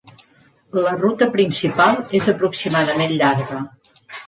La ruta principal és aproximadament llarga.